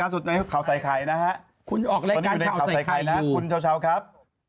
คุณออกรายการขอใส่ใครนะคุณเชาครับซับครับ